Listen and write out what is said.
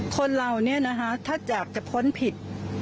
คนเราเนี่ยนะคะถ้าจากจะพ้นผิด